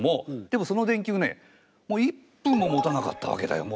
でもその電球ねもう１分ももたなかったわけだよ。